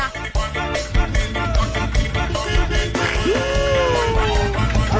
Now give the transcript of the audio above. โอเคพร้อมไหม